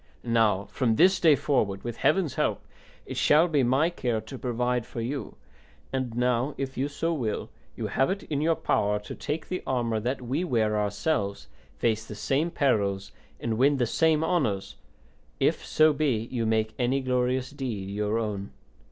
Now from this day forward, with heaven's help, it shall be my care to provide it for you; and now, if so you will, you have it in your power to take the armour that we wear ourselves, face the same perils and win the same honours, if so be you make any glorious deed your own.